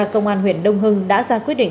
công an huyện đông hưng đã ra quyết định